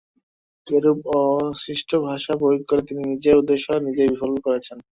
এরূপ অশিষ্ট ভাষা প্রয়োগ করে তিনি নিজের উদ্দেশ্য নিজেই বিফল করেছেন।